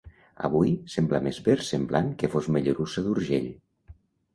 Avui, sembla més versemblant que fos Mollerussa d'Urgell.